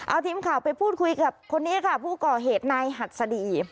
เอาทีมข่าวไปพูดคุยกับคนนี้ค่ะผู้ก่อเหตุนายหัดสดี